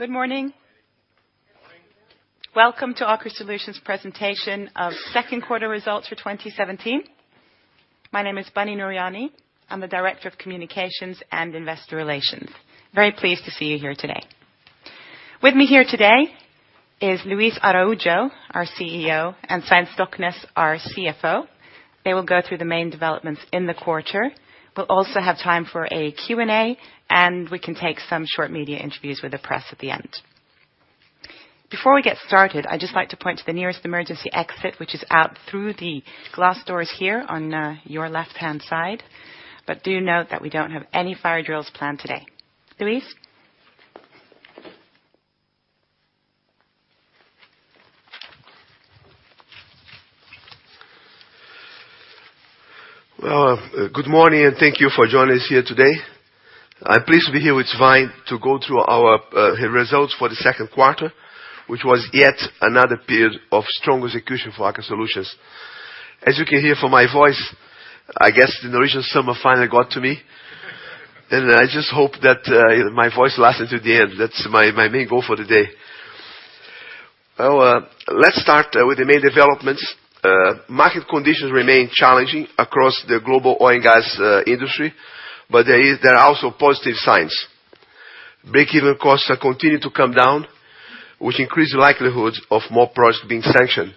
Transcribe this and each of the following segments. Good morning. Welcome to Aker Solutions presentation of second quarter results for 2017. My name is Bunny Nooryani. I'm the Director of Communications and Investor Relations. Very pleased to see you here today. With me here today is Luis Araujo, our CEO, and Svein Stoknes, our CFO. They will go through the main developments in the quarter. We'll also have time for a Q&A, and we can take some short media interviews with the press at the end. Before we get started, I'd just like to point to the nearest emergency exit, which is out through the glass doors here on your left-hand side. Do note that we don't have any fire drills planned today. Luis. Well, good morning, and thank you for joining us here today. I'm pleased to be here with Svein to go through our results for the second quarter, which was yet another period of strong execution for Aker Solutions. As you can hear from my voice, I guess the Norwegian summer finally got to me, and I just hope that my voice lasts until the end. That's my main goal for the day. Let's start with the main developments. Market conditions remain challenging across the global oil and gas industry, but there are also positive signs. Break-even costs are continuing to come down, which increase the likelihood of more products being sanctioned.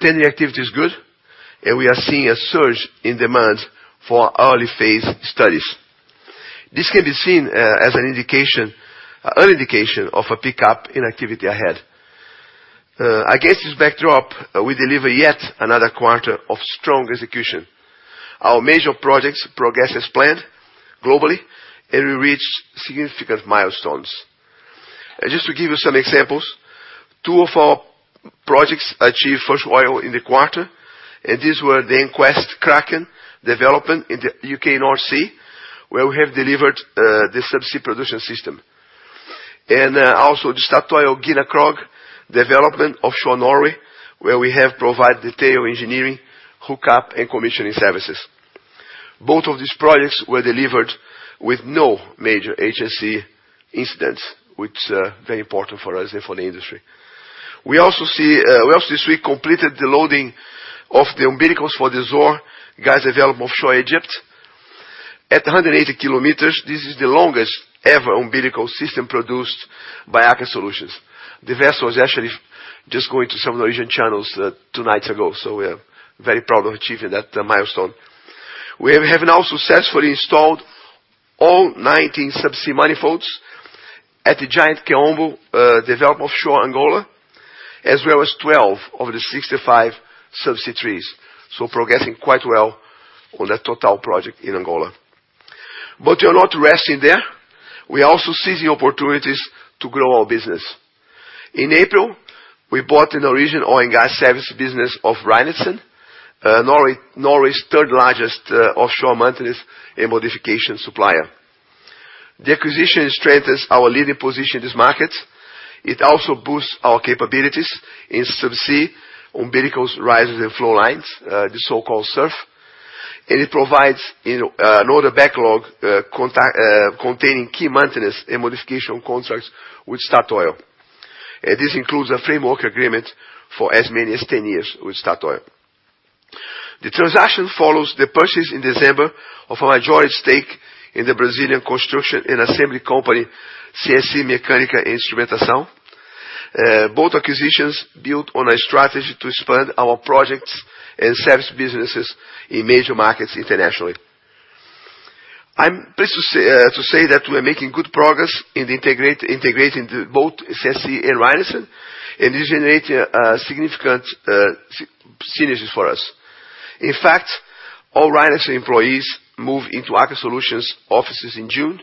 Tenant activity is good, and we are seeing a surge in demand for early-phase studies. This can be seen as an indication of a pickup in activity ahead. Against this backdrop, we deliver yet another quarter of strong execution. Our major projects progress as planned globally, and we reach significant milestones. Just to give you some examples, two of our projects achieved first oil in the quarter, and these were the EnQuest Kraken development in the U.K. North Sea, where we have delivered the subsea production system. Also, the Statoil Gina Krog development offshore Norway, where we have provided detailed engineering, hookup, and commissioning services. Both of these projects were delivered with no major agency incidents, which very important for us and for the industry. We also this week completed the loading of the umbilicals for the Zohr gas development offshore Egypt. At 180 km, this is the longest-ever umbilical system produced by Aker Solutions. The vessel was actually just going to some Norwegian channels, two nights ago, we are very proud of achieving that milestone. We have now successfully installed all 19 subsea manifolds at the giant Kaombo development offshore Angola, as well as 12 of the 65 subsea trees. Progressing quite well on that Total project in Angola. We are not resting there. We also seizing opportunities to grow our business. In April, we bought the Norwegian oil and gas service business of Reinertsen, Norway's third-largest offshore maintenance and modification supplier. The acquisition strengthens our leading position in this market. It also boosts our capabilities in subsea umbilicals, risers, and flow lines, the so-called SURF. It provides in an order backlog containing key maintenance and modification contracts with Statoil. This includes a framework agreement for as many as 10 years with Statoil. The transaction follows the purchase in December of a majority stake in the Brazilian construction and assembly company, C.S.E. Mecânica e Instrumentação. Both acquisitions build on our strategy to expand our projects and service businesses in major markets internationally. I'm pleased to say that we are making good progress in integrating both C.S.E. and Reinertsen, and this is generating a significant synergies for us. In fact, all Reinertsen employees moved into Aker Solutions offices in June,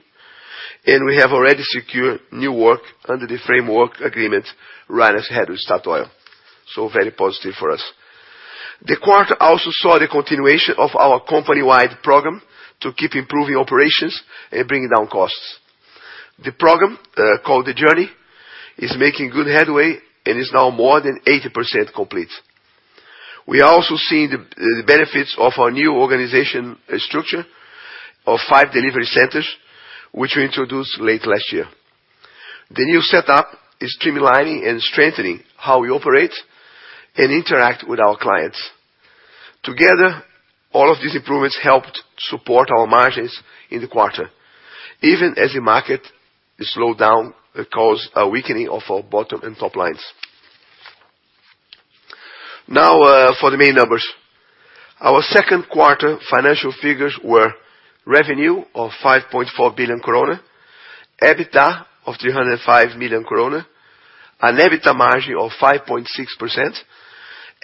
and we have already secured new work under the framework agreement Reinertsen had with Statoil. Very positive for us. The quarter also saw the continuation of our company-wide program to keep improving operations and bringing down costs. The program, called The Journey, is making good headway and is now more than 80% complete. We are also seeing the benefits of our new organization structure of five delivery centers, which we introduced late last year. The new setup is streamlining and strengthening how we operate and interact with our clients. Together, all of these improvements helped support our margins in the quarter, even as the market slowed down, it caused a weakening of our bottom and top lines. Now, for the main numbers. Our second quarter financial figures were revenue of 5.4 billion krone, EBITDA of 305 million krone, an EBITDA margin of 5.6%,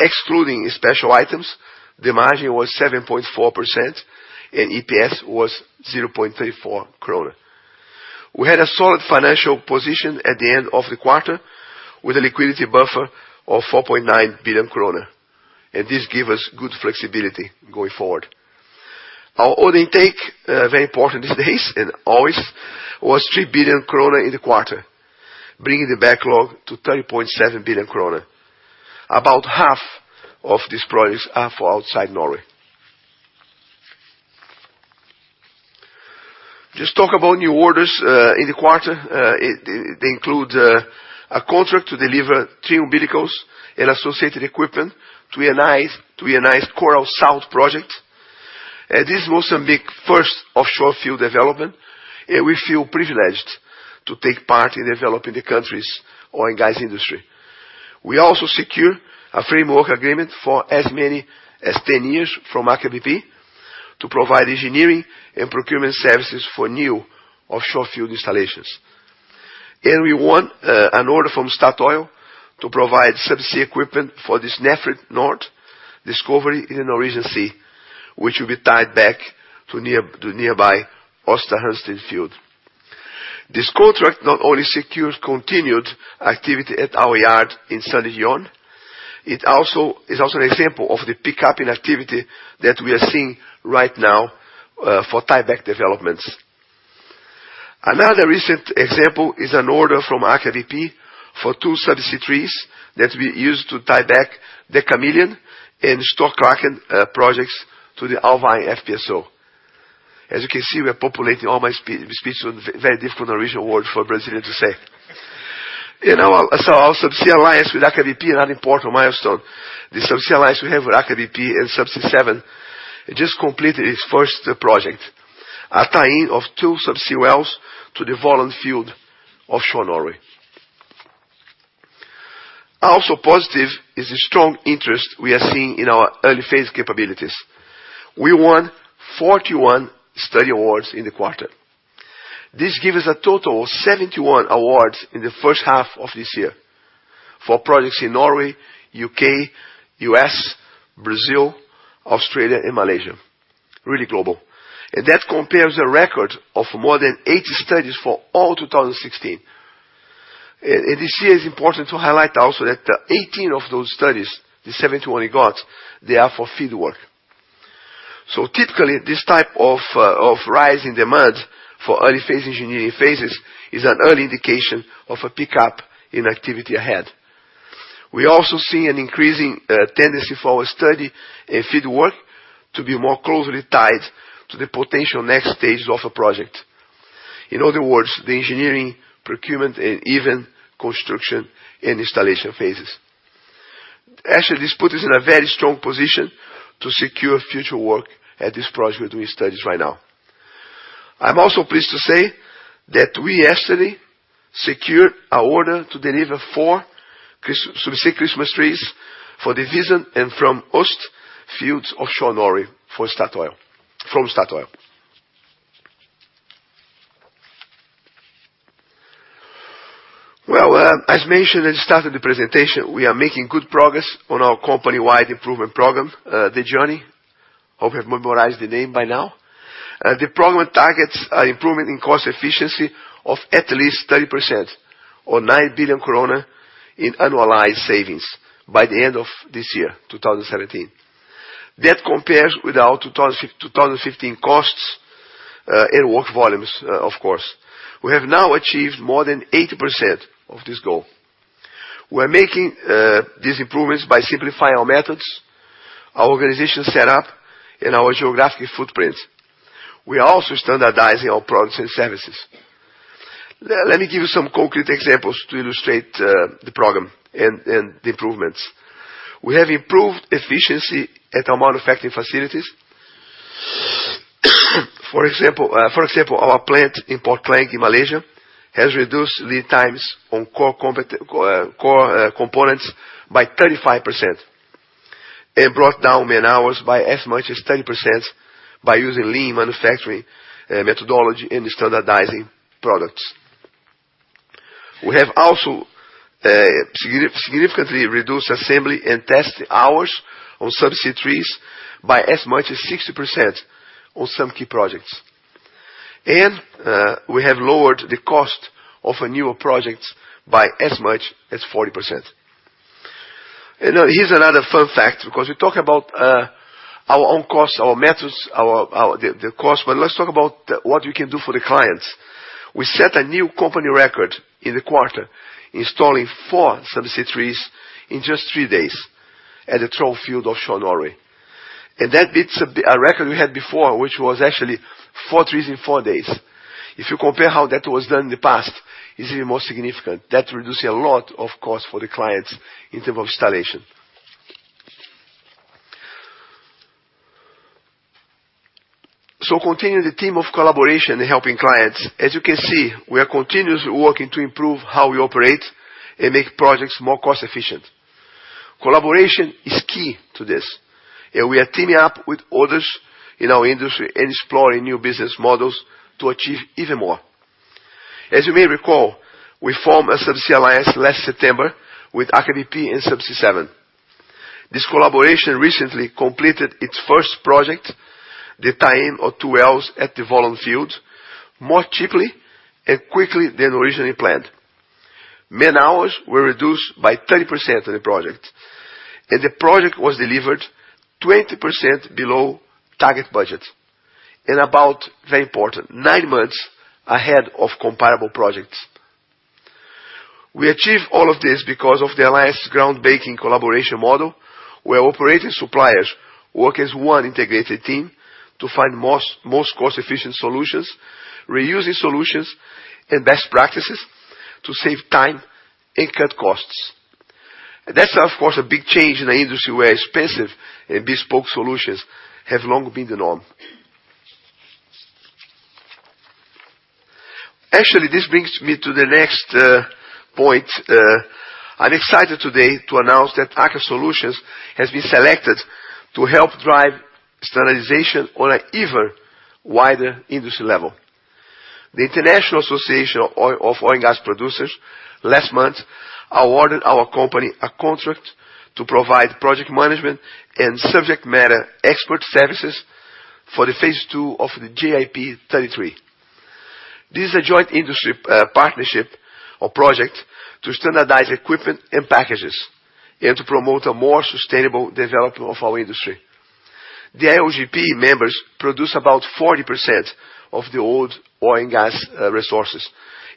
excluding special items, the margin was 7.4%, and EPS was 0.34 kroner. We had a solid financial position at the end of the quarter with a liquidity buffer of 4.9 billion kroner, this give us good flexibility going forward. Our order intake, very important these days and always, was 3 billion krone in the quarter, bringing the backlog to 30.7 billion krone. About half of these projects are for outside Norway. Just talk about new orders in the quarter. They include a contract to deliver three umbilicals and associated equipment to Eni's Coral South project. This is Mozambique first offshore field development, we feel privileged to take part in developing the country's oil and gas industry. We also secure a framework agreement for as many as 10 years from Aker BP to provide engineering and procurement services for new offshore field installations. We won an order from Statoil to provide subsea equipment for this Snefrid Nord discovery discovery in the Norwegian Sea, which will be tied back to nearby Aasta Hansteen field. This contract not only secures continued activity at our yard in Sandnessjøen, it is also an example of the pickup in activity that we are seeing right now for tieback developments. Another recent example is an order from Aker BP for two subsea trees that we use to tie back the Kameleon and Storklakken projects to the Alvheim FPSO. As you can see, we are populating all my speeches with very difficult Norwegian words for a Brazilian to say. Our Subsea Alliance with Aker BP, another important milestone. The Subsea Alliance we have with Aker BP and Subsea 7 just completed its first project, a tie-in of two subsea wells to the Volund field offshore Norway. Also positive is the strong interest we are seeing in our early phase capabilities. We won 41 study awards in the quarter. This gives us a total of 71 awards in the first half of this year for projects in Norway, the U.K., the U.S., Brazil, Australia, and Malaysia. Really global. That compares a record of more than 80 studies for all 2016. This year it's important to highlight also that 18 of those studies, the 71 we got, they are for field work. Typically this type of rise in demand for early phase engineering phases is an early indication of a pickup in activity ahead. We also see an increasing tendency for our study and field work to be more closely tied to the potential next stages of a project. In other words, the engineering, procurement, and even construction and installation phases. Actually, this put us in a very strong position to secure future work at this project we're doing studies right now. I'm also pleased to say that we yesterday secured an order to deliver four subsea Christmas trees for the Visund and Fram Øst fields offshore Norway for Statoil, from Statoil. Well, as mentioned at the start of the presentation, we are making good progress on our company-wide improvement program, The Journey. Hope you have memorized the name by now. The program targets a improvement in cost efficiency of at least 30% or 9 billion krone in annualized savings by the end of this year, 2017. That compares with our 2015 costs and work volumes, of course. We have now achieved more than 80% of this goal. We're making these improvements by simplifying our methods, our organization set up and our geographic footprints. We are also standardizing our products and services. Let me give you some concrete examples to illustrate the program and the improvements. We have improved efficiency at our manufacturing facilities. For example, our plant in Port Klang in Malaysia has reduced lead times on core components by 35% and brought down man-hours by as much as 10% by using LEAN manufacturing methodology and standardizing products. We have also significantly reduced assembly and testing hours on subsea trees by as much as 60% on some key projects. We have lowered the cost of a newer project by as much as 40%. Here's another fun fact because we talk about our own costs, our methods, our, the cost, but let's talk about what we can do for the clients. We set a new company record in the quarter, installing four subsea trees in just three days at the Troll field offshore Norway. That beats a record we had before, which was actually four trees in four days. If you compare how that was done in the past, this is more significant. That's reducing a lot of cost for the clients in terms of installation. Continuing the theme of collaboration and helping clients, as you can see, we are continuously working to improve how we operate and make projects more cost efficient. Collaboration is key to this, and we are teaming up with others in our industry and exploring new business models to achieve even more. As you may recall, we formed a Subsea Alliance last September with Aker BP and Subsea 7. This collaboration recently completed its first project, the tie-in of two wells at the Volund field, more cheaply and quickly than originally planned. Man-hours were reduced by 30% on the project, and the project was delivered 20% below target budget and about, very important, nine months ahead of comparable projects. We achieved all of this because of the alliance's groundbreaking collaboration model, where operating suppliers work as one integrated team to find most cost-efficient solutions, reusing solutions and best practices to save time and cut costs. That's, of course, a big change in an industry where expensive and bespoke solutions have long been the norm. Actually, this brings me to the next point. I'm excited today to announce that Aker Solutions has been selected to help drive standardization on an even wider industry level. The International Association of Oil & Gas Producers last month awarded our company a contract to provide project management and subject matter expert services for the phase II of the JIP33. This is a joint industry partnership or project to standardize equipment and packages and to promote a more sustainable development of our industry. The IOGP members produce about 40% of the world's oil and gas resources,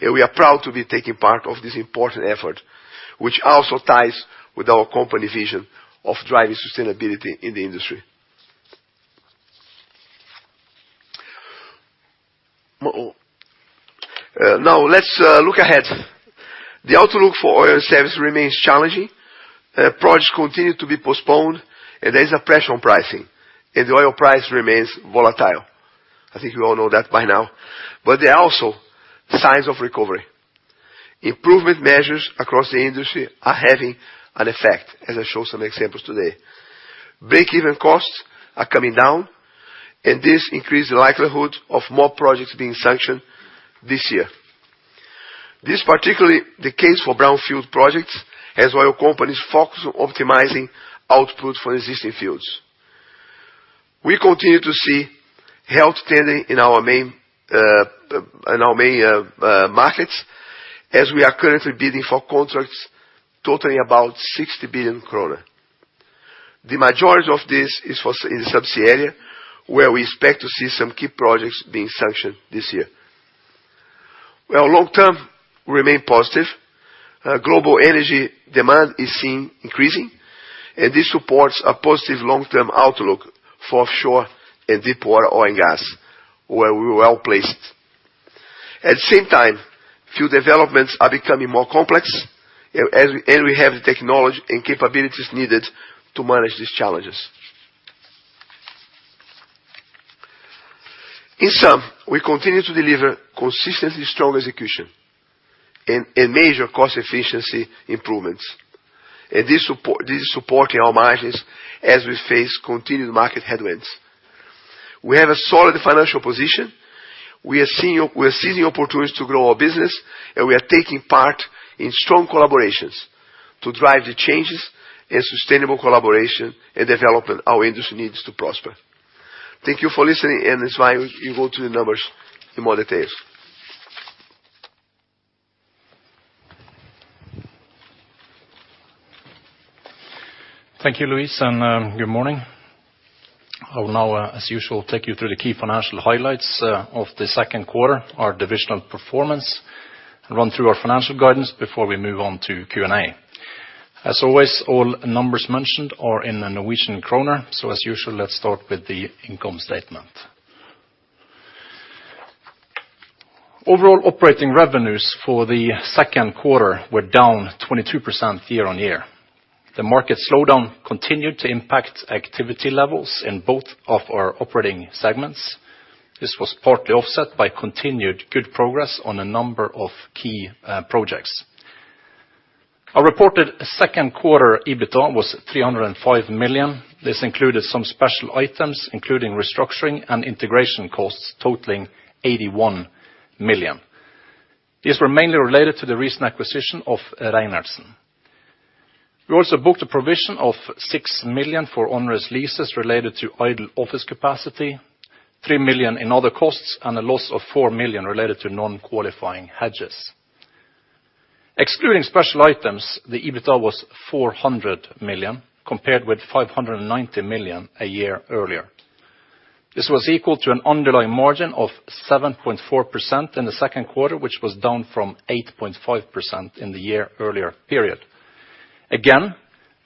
we are proud to be taking part of this important effort, which also ties with our company vision of driving sustainability in the industry. Now let's look ahead. The outlook for oil service remains challenging. Projects continue to be postponed, and there's a pressure on pricing, and the oil price remains volatile. I think we all know that by now. There are also signs of recovery. Improvement measures across the industry are having an effect, as I show some examples today. Breakeven costs are coming down, and this increase the likelihood of more projects being sanctioned this year. This is particularly the case for brownfield projects as oil companies focus on optimizing output for existing fields. We continue to see health trending in our main in our main markets as we are currently bidding for contracts totaling about 60 billion kroner. The majority of this is for in subsea area, where we expect to see some key projects being sanctioned this year. Well, long term remain positive. Global energy demand is seen increasing, and this supports a positive long-term outlook for offshore and deepwater oil and gas, where we're well-placed. At the same time, few developments are becoming more complex, and we have the technology and capabilities needed to manage these challenges. In sum, we continue to deliver consistently strong execution and major cost efficiency improvements. This support, this is supporting our margins as we face continued market headwinds. We have a solid financial position. We are seizing opportunities to grow our business, and we are taking part in strong collaborations to drive the changes and sustainable collaboration and development our industry needs to prosper. Thank you for listening. Svein, you go through the numbers in more detail. Thank you, Luis. Good morning. I will now, as usual, take you through the key financial highlights of the second quarter, our divisional performance, and run through our financial guidance before we move on to Q&A. As always, all numbers mentioned are in the Norwegian kroner. As usual, let's start with the income statement. Overall operating revenues for the second quarter were down 22% year-on-year. The market slowdown continued to impact activity levels in both of our operating segments. This was partly offset by continued good progress on a number of key projects. Our reported second quarter EBITA was 305 million. This included some special items, including restructuring and integration costs totaling 81 million. These were mainly related to the recent acquisition of Reinertsen. We also booked a provision of 6 million for onerous leases related to idle office capacity, 3 million in other costs, and a loss of 4 million related to non-qualifying hedges. Excluding special items, the EBITA was 400 million, compared with 590 million a year earlier. This was equal to an underlying margin of 7.4% in the second quarter, which was down from 8.5% in the year-earlier period.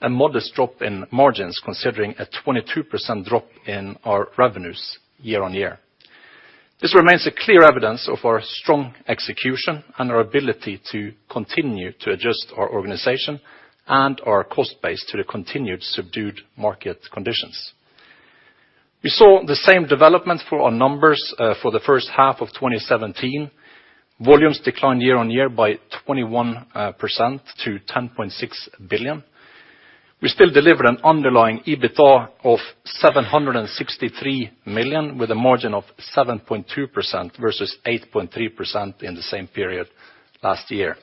A modest drop in margins considering a 22% drop in our revenues year-on-year. This remains clear evidence of our strong execution and our ability to continue to adjust our organization and our cost base to the continued subdued market conditions. We saw the same development for our numbers for the first half of 2017. Volumes declined year-on-year by 21% to 10.6 billion. We still delivered an underlying EBITA of 763 million, with a margin of 7.2% versus 8.3% in the same period last year.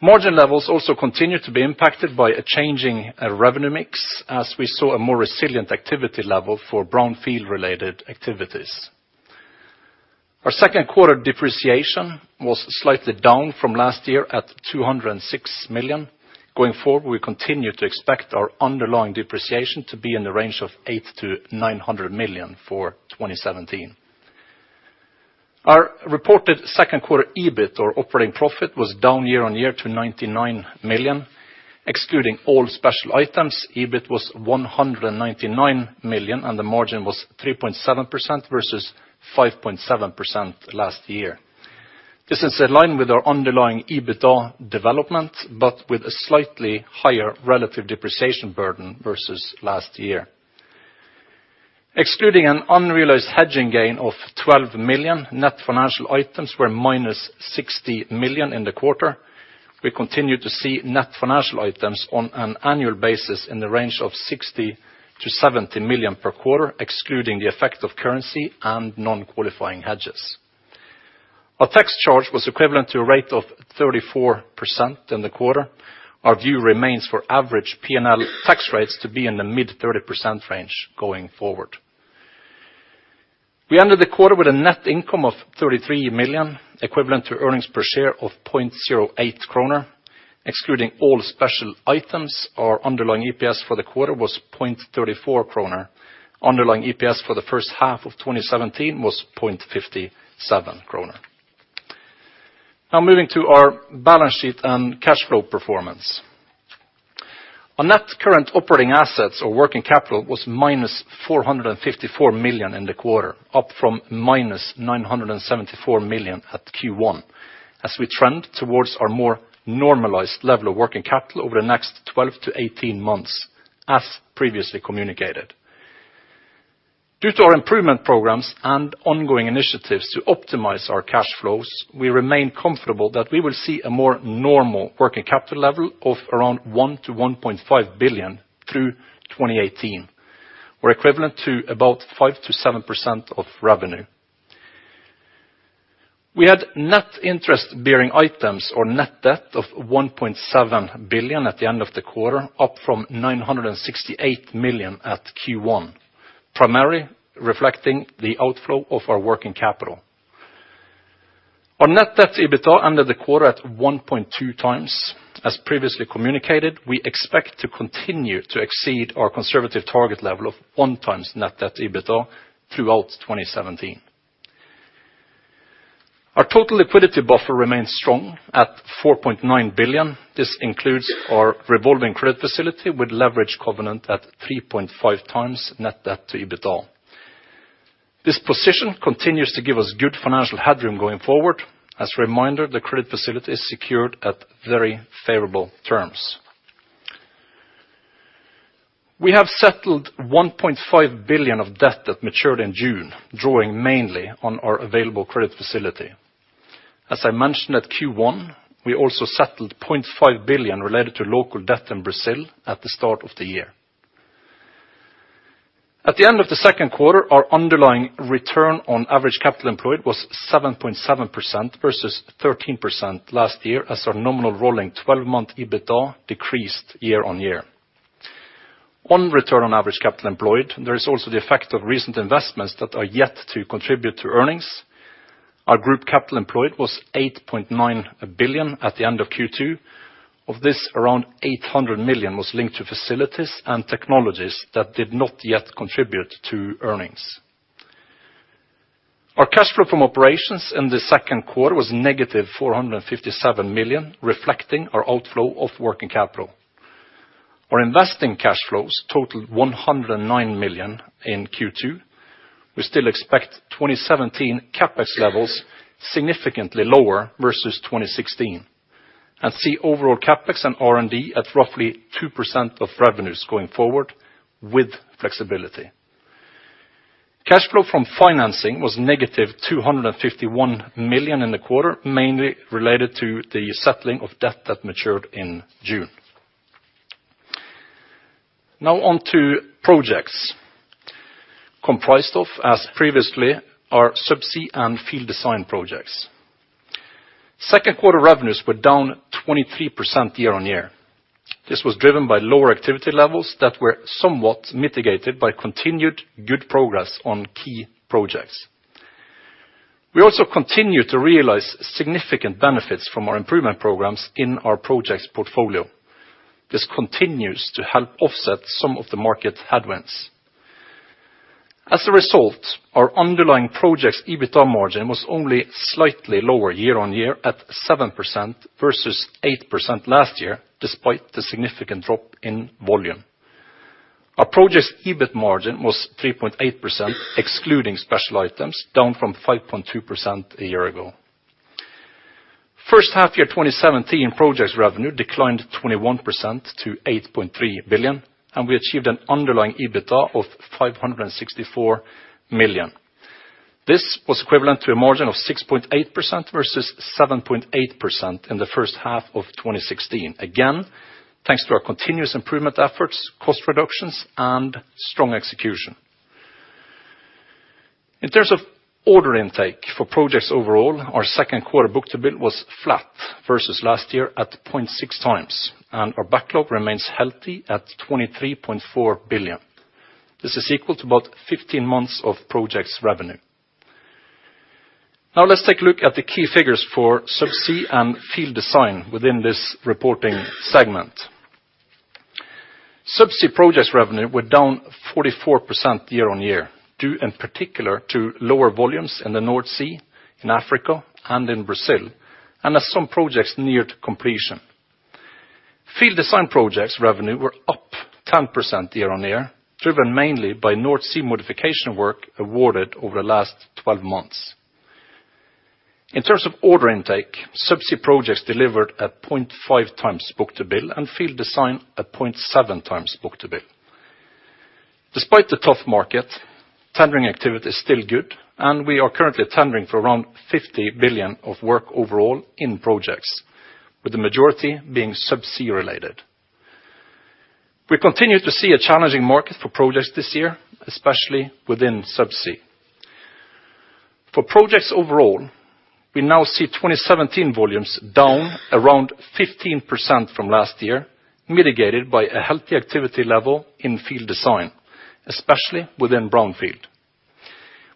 Margin levels also continued to be impacted by a changing revenue mix, as we saw a more resilient activity level for brownfield-related activities. Our second quarter depreciation was slightly down from last year at 206 million. Going forward, we continue to expect our underlying depreciation to be in the range of 800 million-900 million for 2017. Our reported second quarter EBIT or operating profit was down year on year to 99 million. Excluding all special items, EBIT was 199 million, and the margin was 3.7% versus 5.7% last year. This is in line with our underlying EBITDA development, but with a slightly higher relative depreciation burden versus last year. Excluding an unrealized hedging gain of 12 million, net financial items were minus 60 million in the quarter. We continue to see net financial items on an annual basis in the range of 60 million-70 million per quarter, excluding the effect of currency and non-qualifying hedges. Our tax charge was equivalent to a rate of 34% in the quarter. Our view remains for average P&L tax rates to be in the mid-30% range going forward. We ended the quarter with a net income of 33 million, equivalent to earnings per share of 0.08 kroner. Excluding all special items, our underlying EPS for the quarter was 0.34 kroner. Underlying EPS for the first half of 2017 was 0.57 kroner. Moving to our balance sheet and cash flow performance. On net current operating assets or working capital was minus 454 million in the quarter, up from -974 million at Q1 as we trend towards our more normalized level of working capital over the next 12-18 months, as previously communicated. Due to our improvement programs and ongoing initiatives to optimize our cash flows, we remain comfortable that we will see a more normal working capital level of around 1 billion-1.5 billion through 2018, or equivalent to about 5%-7% of revenue. We had net interest bearing items or net debt of 1.7 billion at the end of the quarter, up from 968 million at Q1, primarily reflecting the outflow of our working capital. Our net debt to EBITA ended the quarter at 1.2x. As previously communicated, we expect to continue to exceed our conservative target level of 1x net debt to EBITA throughout 2017. Our total liquidity buffer remains strong at 4.9 billion. This includes our revolving credit facility with leverage covenant at 3.5x net debt to EBITA. This position continues to give us good financial headroom going forward. As a reminder, the credit facility is secured at very favorable terms. We have settled 1.5 billion of debt that matured in June, drawing mainly on our available credit facility. As I mentioned at Q1, we also settled 0.5 billion related to local debt in Brazil at the start of the year. At the end of the second quarter, our underlying return on average capital employed was 7.7% versus 13% last year as our nominal rolling 12-month EBITA decreased year-on-year. On return on average capital employed, there is also the effect of recent investments that are yet to contribute to earnings. Our group capital employed was 8.9 billion at the end of Q2. Of this, around 800 million was linked to facilities and technologies that did not yet contribute to earnings. Our cash flow from operations in the second quarter was negative 457 million, reflecting our outflow of working capital. Our investing cash flows totaled 109 million in Q2. We still expect 2017 CapEx levels significantly lower versus 2016 and see overall CapEx and R&D at roughly 2% of revenues going forward with flexibility. Cash flow from financing was -251 million in the quarter, mainly related to the settling of debt that matured in June. Now on to projects comprised of, as previously, our subsea and field design projects. Second quarter revenues were down 23% year-on-year. This was driven by lower activity levels that were somewhat mitigated by continued good progress on key projects. We also continue to realize significant benefits from our improvement programs in our projects portfolio. This continues to help offset some of the market headwinds. As a result, our underlying projects EBITA margin was only slightly lower year-on-year at 7% versus 8% last year, despite the significant drop in volume. Our projects EBIT margin was 3.8%, excluding special items, down from 5.2% a year ago. First half year 2017 projects revenue declined 21% to 8.3 billion, and we achieved an underlying EBITA of 564 million. This was equivalent to a margin of 6.8% versus 7.8% in the first half of 2016. Again, thanks to our continuous improvement efforts, cost reductions, and strong execution. In terms of order intake for projects overall, our second quarter book-to-bill was flat versus last year at 0.6x, and our backlog remains healthy at 23.4 billion. This is equal to about 15 months of projects revenue. Now let's take a look at the key figures for subsea and field design within this reporting segment. Subsea projects revenue were down 44% year-on-year, due in particular to lower volumes in the North Sea, in Africa, and in Brazil, and as some projects neared completion. Field design projects revenue were up 10% year-on-year, driven mainly by North Sea modification work awarded over the last 12 months. In terms of order intake, Subsea projects delivered at 0.5x book-to-bill and field design at 0.7x book-to-bill. Despite the tough market, tendering activity is still good. We are currently tendering for around 50 billion of work overall in projects, with the majority being Subsea-related. We continue to see a challenging market for projects this year, especially within Subsea. For projects overall, we now see 2017 volumes down around 15% from last year, mitigated by a healthy activity level in field design, especially within brownfield.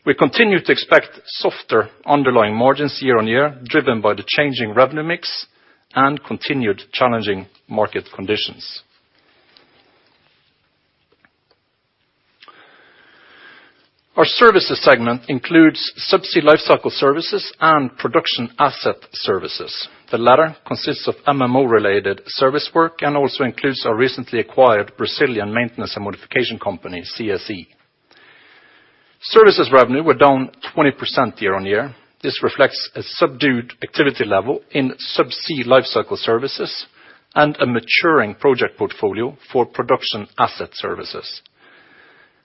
We continue to expect softer underlying margins year-on-year, driven by the changing revenue mix and continued challenging market conditions. Our services segment includes Subsea lifecycle services and production asset services. The latter consists of MMO-related service work and also includes our recently acquired Brazilian maintenance and modification company, C.S.E. Services revenue were down 20% year-on-year. This reflects a subdued activity level in Subsea lifecycle services and a maturing project portfolio for production asset services.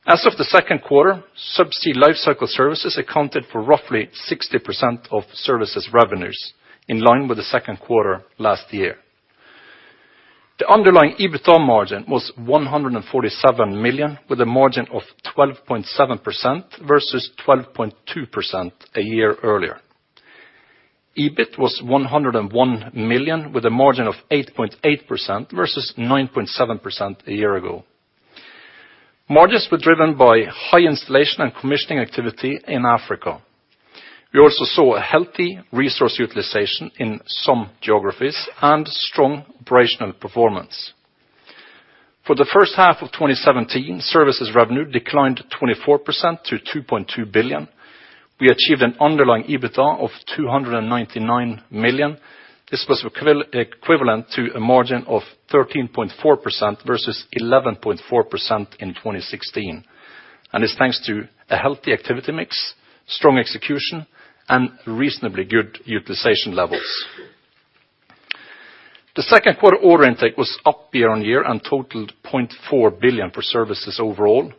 As of the second quarter, Subsea lifecycle services accounted for roughly 60% of services revenues, in line with the second quarter last year. The underlying EBITDA margin was 147 million, with a margin of 12.7% versus 12.2% a year earlier. EBIT was 101 million, with a margin of 8.8% versus 9.7% a year ago. Margins were driven by high installation and commissioning activity in Africa. We also saw a healthy resource utilization in some geographies and strong operational performance. For the first half of 2017, services revenue declined 24% to 2.2 billion. We achieved an underlying EBITDA of 299 million. This was equivalent to a margin of 13.4% versus 11.4% in 2016, is thanks to a healthy activity mix, strong execution, and reasonably good utilization levels. The second quarter order intake was up year-on-year and totaled $0.4 billion for services overall.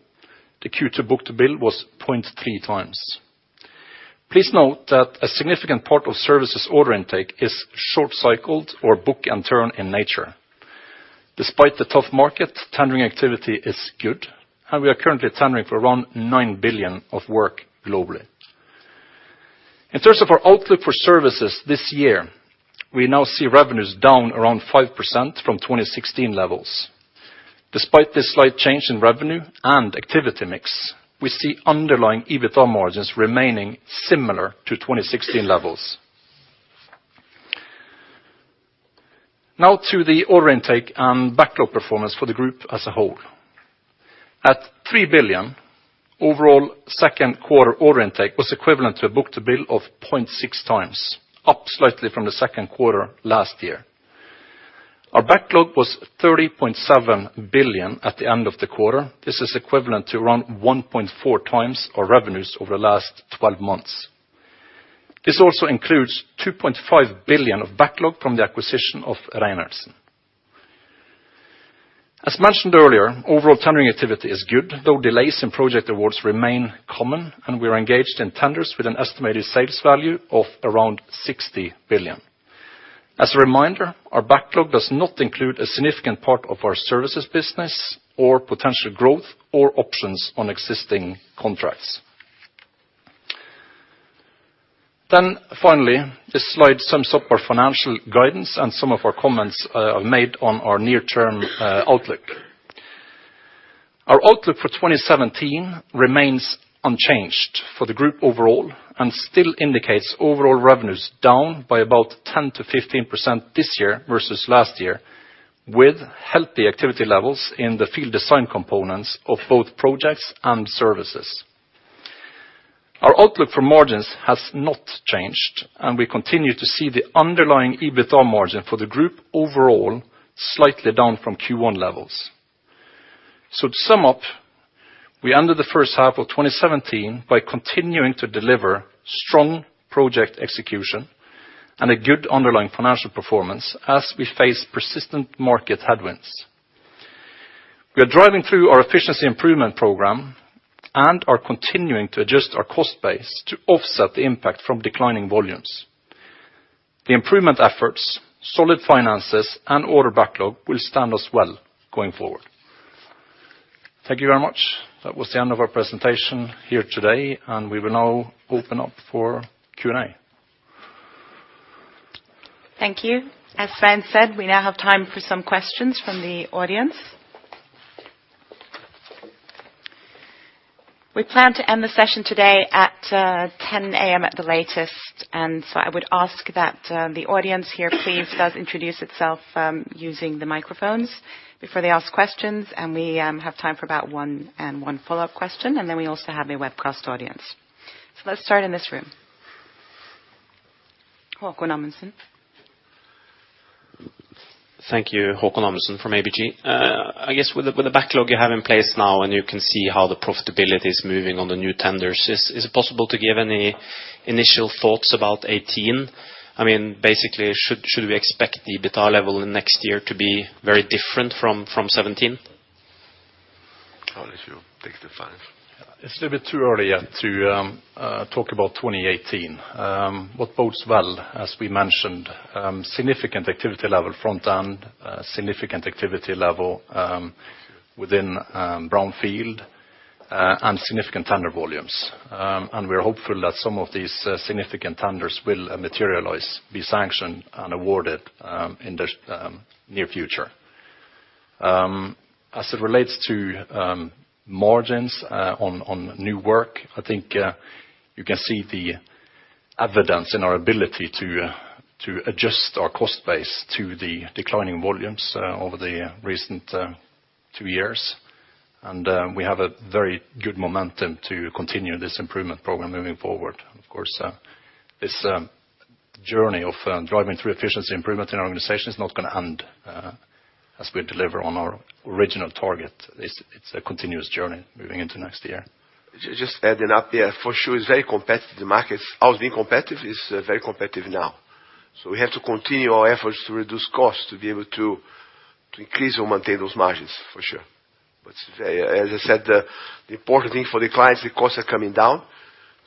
The Q2 book-to-bill was 0.3x. Please note that a significant part of services order intake is short-cycled or book-and-turn in nature. Despite the tough market, tendering activity is good, we are currently tendering for around $9 billion of work globally. In terms of our outlook for services this year, we now see revenues down around 5% from 2016 levels. Despite this slight change in revenue and activity mix, we see underlying EBITDA margins remaining similar to 2016 levels. Now to the order intake and backlog performance for the group as a whole. At 3 billion, overall second quarter order intake was equivalent to a book-to-bill of 0.6x, up slightly from the second quarter last year. Our backlog was 30.7 billion at the end of the quarter. This is equivalent to around 1.4x our revenues over the last 12 months. This also includes 2.5 billion of backlog from the acquisition of Reinertsen. As mentioned earlier, overall tendering activity is good, though delays in project awards remain common, and we are engaged in tenders with an estimated sales value of around 60 billion. As a reminder, our backlog does not include a significant part of our services business or potential growth or options on existing contracts. Finally, this slide sums up our financial guidance and some of our comments made on our near-term outlook. Our outlook for 2017 remains unchanged for the group overall and still indicates overall revenues down by about 10%-15% this year versus last year, with healthy activity levels in the field design components of both projects and services. Our outlook for margins has not changed, and we continue to see the underlying EBITDA margin for the group overall slightly down from Q1 levels. To sum up, we ended the first half of 2017 by continuing to deliver strong project execution and a good underlying financial performance as we face persistent market headwinds. We are driving through our efficiency improvement program and are continuing to adjust our cost base to offset the impact from declining volumes. The improvement efforts, solid finances, and order backlog will stand us well going forward. Thank you very much. That was the end of our presentation here today, and we will now open up for Q&A. Thank you. As Svein said, we now have time for some questions from the audience. We plan to end the session today at 10:00 A.M. at the latest. I would ask that the audience here please does introduce itself using the microphones before they ask questions, and we have time for about one and one follow-up question, and then we also have a webcast audience. Let's start in this room. Haakon Amundsen. Thank you. Haakon Amundsen from ABG. I guess with the backlog you have in place now, and you can see how the profitability is moving on the new tenders, is it possible to give any initial thoughts about 18? I mean, basically should we expect the EBITDA level in next year to be very different from 17? Oh, if you take the five. It's a little bit too early, yeah, to talk about 2018. What bodes well, as we mentioned, significant activity level front and significant activity level within brownfield and significant tender volumes. We're hopeful that some of these significant tenders will materialize, be sanctioned, and awarded in the near future. As it relates to margins on new work, I think you can see the evidence in our ability to adjust our cost base to the declining volumes over the recent two years. We have a very good momentum to continue this improvement program moving forward. Of course, this journey of driving through efficiency improvement in our organization is not gonna end as we deliver on our original target. It's a continuous journey moving into next year. Just adding up, yeah, for sure it's very competitive, the market. As being competitive, it's very competitive now. We have to continue our efforts to reduce costs to be able to increase or maintain those margins, for sure. As I said, the important thing for the clients, the costs are coming down,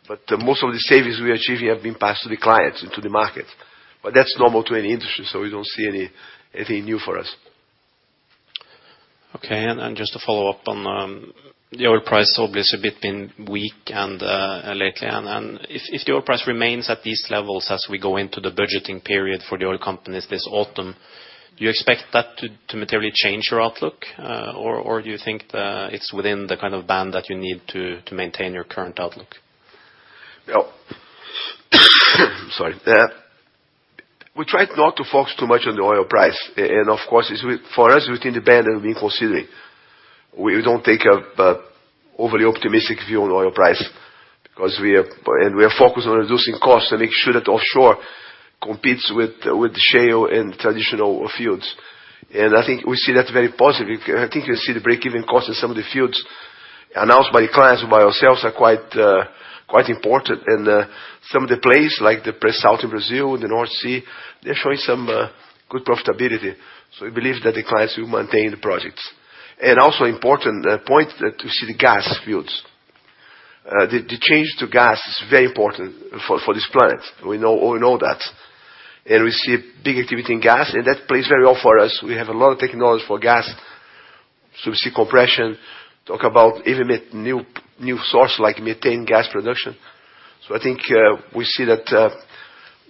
but most of the savings we are achieving have been passed to the clients and to the market. That's normal to any industry, we don't see anything new for us. Okay. And just to follow up on, the oil price obviously been weak and, lately. If the oil price remains at these levels as we go into the budgeting period for the oil companies this autumn, do you expect that to materially change your outlook? Do you think, it's within the kind of band that you need to maintain your current outlook? Well, sorry. We try not to focus too much on the oil price. Of course, it's for us, within the band and being considered. We don't take a overly optimistic view on oil price because we are focused on reducing costs to make sure that offshore competes with shale and traditional fields. I think we see that very positive. I think you'll see the break-even costs in some of the fields announced by the clients and by ourselves are quite important. Some of the plays, like the pre-salt in Brazil and the North Sea, they're showing some good profitability. We believe that the clients will maintain the projects. Also important point that we see the gas fields. The change to gas is very important for this planet. We know that. We see big activity in gas, and that plays very well for us. We have a lot of technology for gas. Subsea compression, talk about even the new source like methane gas production. I think we see that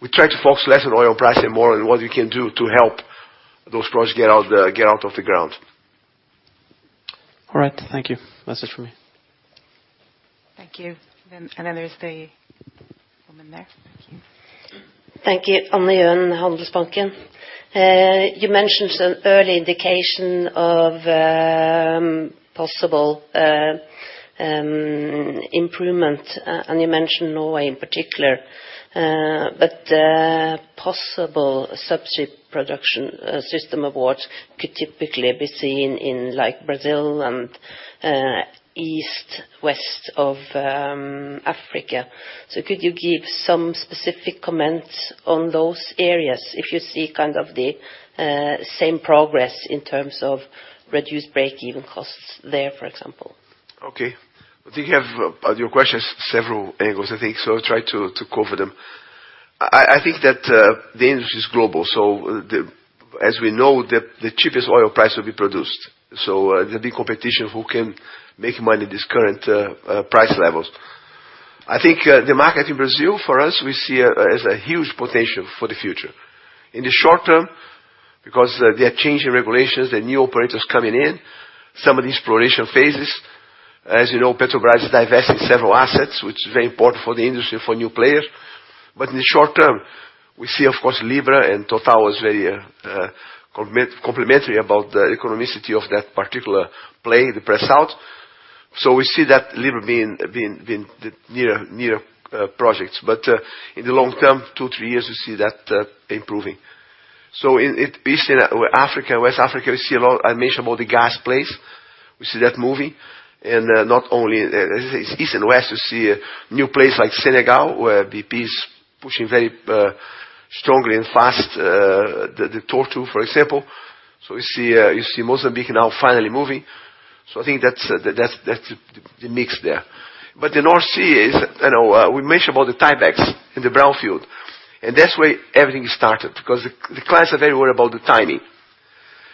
we try to focus less on oil price and more on what we can do to help those projects get out of the ground. All right. Thank you. That's it for me. Thank you. There's the woman there. Thank you. Thank you. Anne Gjøen, Handelsbanken. You mentioned an early indication of possible improvement, and you mentioned Norway in particular. Possible subsea production system of what could typically be seen in, like, Brazil and east, west of Africa. Could you give some specific comments on those areas if you see kind of the same progress in terms of reduced break-even costs there, for example? Okay. I think you have your question has several angles I think, I'll try to cover them. I think that the industry is global, the, as we know, the cheapest oil price will be produced. There'll be competition who can make money at these current price levels. I think the market in Brazil, for us, we see as a huge potential for the future. In the short term, because they are changing regulations, there are new operators coming in, some of the exploration phases. As you know, Petrobras is divesting several assets, which is very important for the industry, for new players. In the short term, we see, of course, Libra and Total is very complimentary about the economicity of that particular play in the pre-salt. we see that Libra being the near projects. in the long term, two, three years, we see that improving. in East Africa, West Africa, we see a lot, I mentioned about the gas plays. We see that moving. Not only East and West, we see new plays like Senegal, where BP is pushing very strongly and fast [the Total], for example. we see, you see Mozambique now finally moving. I think that's the mix there. The North Sea is, you know, we mentioned about the tiebacks in the brownfield, and that's where everything started because the clients are very worried about the timing.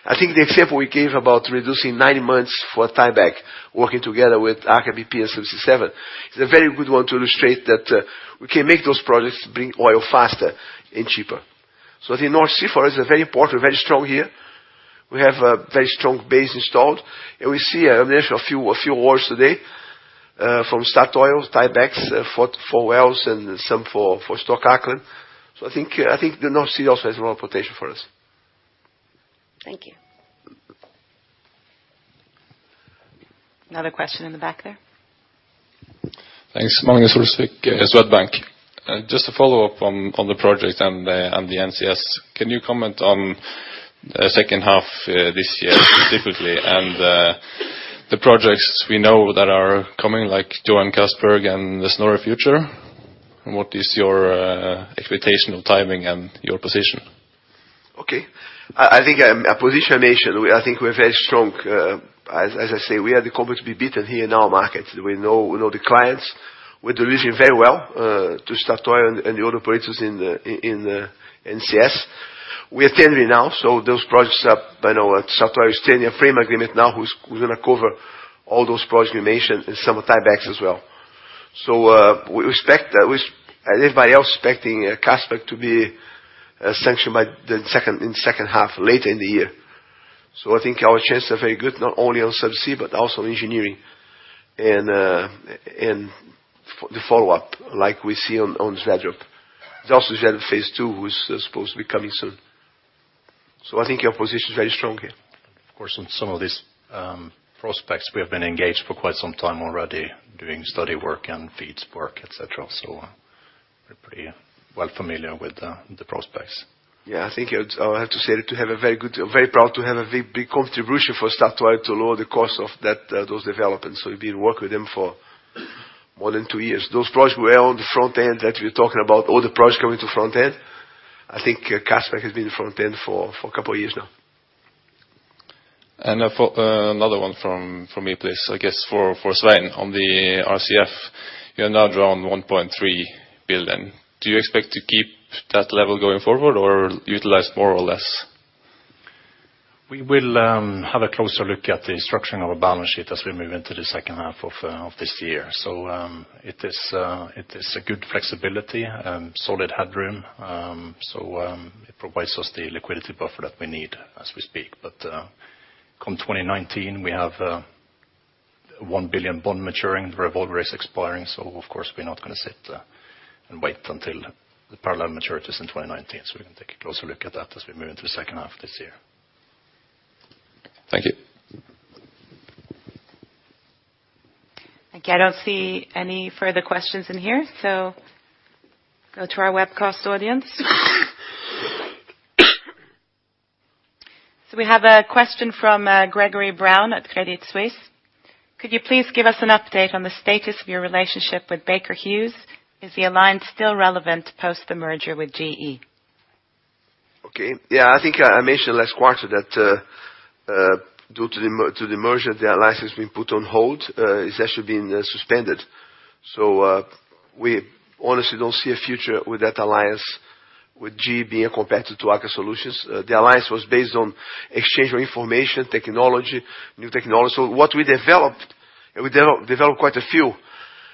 I think the example we gave about reducing nine months for tieback, working together with Aker BP and Subsea 7 is a very good one to illustrate that we can make those projects bring oil faster and cheaper. North Sea for us are very important, very strong here. We have a very strong base installed, and we see, I mentioned a few awards today from Statoil tiebacks, four wells, and some for Storklakken. I think the North Sea also has a lot of potential for us. Thank you. Another question in the back there. Thanks. Magnus Olsvik, Swedbank. Just to follow up on the project and the NCS, can you comment on second half this year specifically, and the projects we know that are coming like Johan Castberg and the Njord Future? What is your expectation of timing and your position? I think our position, I think we're very strong. As I say, we are the company to be beaten here in our market. We know the clients. We're delivering very well to Statoil and the other operators in the NCS. We are tendering now, those projects are by now at Statoil is tendering a frame agreement now who's gonna cover all those projects we mentioned and some tiebacks as well. We expect everybody else expecting Castberg to be sanctioned by the second half, later in the year. I think our chances are very good, not only on subsea but also engineering and the follow-up, like we see on Sverdrup. phase two who's supposed to be coming soon. I think our position is very strong here. On some of these prospects, we have been engaged for quite some time already doing study work and feeds work, et cetera. We're pretty well familiar with the prospects. I think I'll have to say that we're very proud to have a big contribution for Statoil to lower the cost of that, those developments. We've been working with them for more than two years. Those projects we are on the front end that we're talking about, all the projects coming to front end, I think Castberg has been in front end for a couple of years now. Another one from me, please. I guess for Svein. On the RCF, you're now drawing 1.3 billion. Do you expect to keep that level going forward or utilize more or less? We will have a closer look at the structuring of our balance sheet as we move into the second half of this year. It is a good flexibility, solid headroom. It provides us the liquidity buffer that we need as we speak. Come 2019, we have 1 billion bond maturing, the revolver is expiring, so of course we're not gonna sit and wait until the parallel maturity is in 2019. We can take a closer look at that as we move into the second half of this year. Thank you. I don't see any further questions in here, go to our webcast audience. We have a question from Gregory Brown at Credit Suisse. Could you please give us an update on the status of your relationship with Baker Hughes? Is the alliance still relevant post the merger with GE? Okay. Yeah, I think I mentioned last quarter that, due to the merger, the alliance has been put on hold. It's actually been suspended. We honestly don't see a future with that alliance with GE being a competitor to Aker Solutions. The alliance was based on exchange of information, technology, new technology. What we developed, and we developed quite a few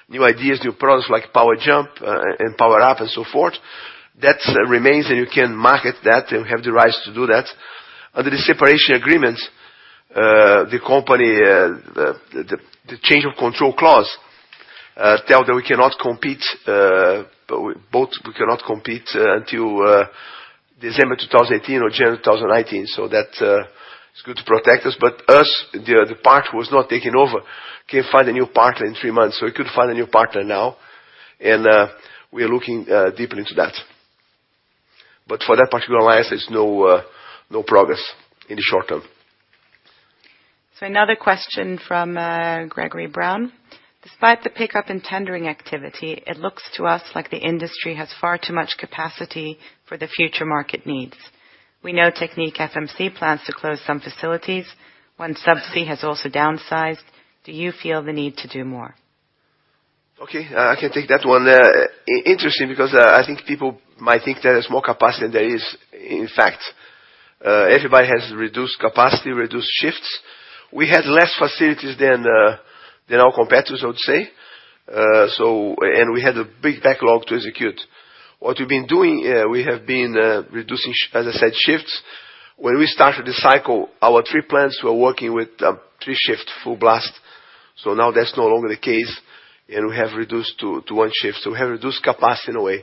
new ideas, new products like Power Jump and Power Up and so forth. That remains, and you can market that, and we have the rights to do that. Under the separation agreement, the company, the change of control clause, tell that we cannot compete, both, we cannot compete, until December 2018 or January 2019. That is good to protect us. Us, the part who has not taken over, can find a new partner in three months. We could find a new partner now, and we are looking deeply into that. For that particular alliance, there's no progress in the short term. Another question from Gregory Brown. Despite the pickup in tendering activity, it looks to us like the industry has far too much capacity for the future market needs. We know TechnipFMC plans to close some facilities. When Subsea has also downsized. Do you feel the need to do more? Okay, I can take that one. Interesting because I think people might think there is more capacity than there is. In fact, everybody has reduced capacity, reduced shifts. We had less facilities than our competitors, I would say. We had a big backlog to execute. What we've been doing, we have been reducing as I said, shifts. When we started the cycle, our three plants were working with three shifts full blast. Now that's no longer the case, and we have reduced to one shift. We have reduced capacity in a way.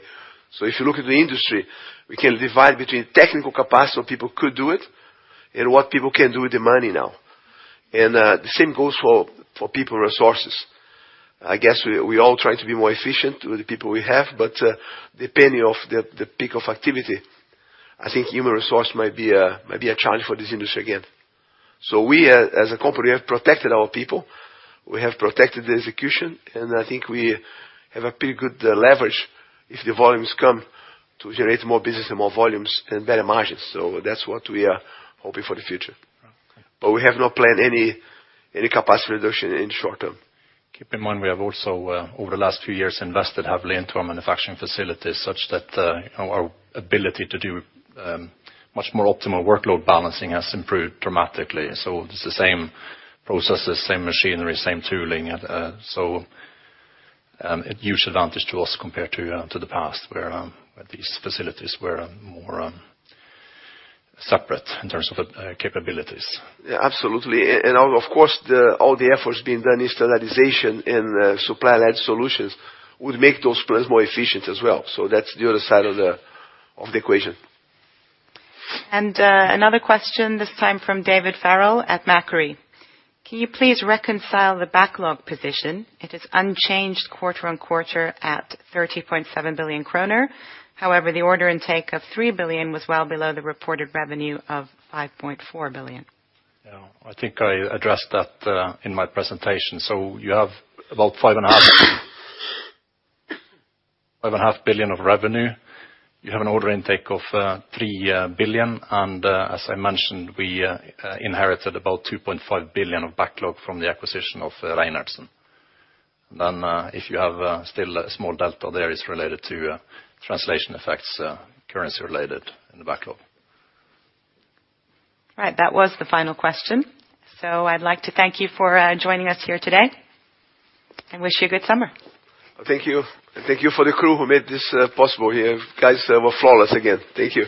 If you look at the industry, we can divide between technical capacity when people could do it and what people can do with the money now. The same goes for people resources. I guess we all try to be more efficient with the people we have, but, depending of the peak of activity, I think human resource might be a challenge for this industry again. We as a company have protected our people. We have protected the execution, and I think we have a pretty good leverage if the volumes come to generate more business and more volumes and better margins. That's what we are hoping for the future. We have not planned any capacity reduction in short term. Keep in mind, we have also, over the last two years invested heavily into our manufacturing facilities such that, our ability to do, much more optimal workload balancing has improved dramatically. It's the same processes, same machinery, same tooling. A huge advantage to us compared to the past where these facilities were, more, separate in terms of, capabilities. Yeah, absolutely. Of course the, all the efforts being done in standardization in supply line solutions would make those plants more efficient as well. That's the other side of the, of the equation. Another question, this time from David Farrell at Macquarie. Can you please reconcile the backlog position? It is unchanged quarter-on-quarter at 30.7 billion kroner. The order intake of 3 billion was well below the reported revenue of 5.4 billion. Yeah, I think I addressed that in my presentation. You have about 5.5 billion of revenue. You have an order intake of 3 billion. As I mentioned, we inherited about 2.5 billion of backlog from the acquisition of Reinertsen. If you have still a small delta there, it's related to translation effects, currency related in the backlog. All right. That was the final question. I'd like to thank you for joining us here today and wish you a good summer. Thank you. Thank you for the crew who made this possible here. You guys were flawless again. Thank you.